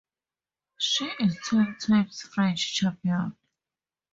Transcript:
She is ten times French champion.